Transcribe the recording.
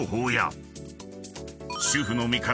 ［主婦の味方